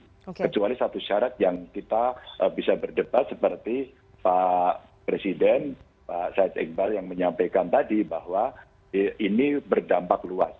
saya tidak pernah mengambil diskresi karena syarat yang kita bisa berdebat seperti pak presiden pak said iqbal yang menyampaikan tadi bahwa ini berdampak luas